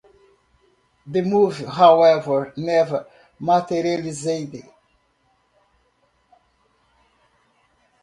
The move, however, never materialized.